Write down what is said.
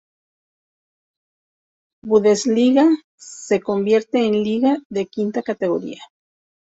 Bundesliga se convierte en liga de quinta categoría.